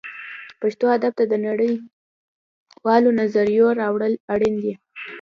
پښتو ادب ته د نړۍ والو نظریو راوړل اړین دي